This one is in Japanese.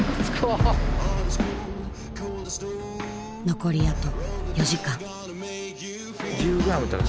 残りあと４時間。